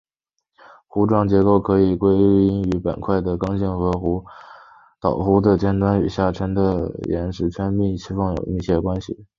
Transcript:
弧状结构可以归因于板块的刚性和岛弧的尖端与下沉岩石圈的裂缝有密切关系。